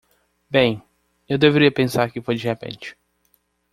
Bem, eu deveria pensar que foi de repente!